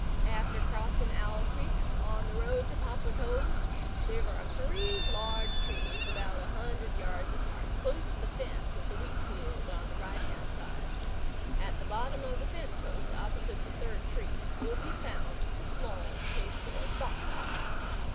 After crossing Owl Creek, on the road to Poplar Cove, there are three large trees about a hundred yards apart, close to the fence of the wheat field on the right hand side. At the bottom of the fence post, opposite the third tree, will be found a small pasteboard box.